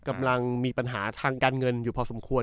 กำลังมีปัญหาทางการเงินอยู่พอสมควร